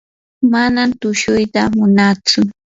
manam tushuyta munantsu.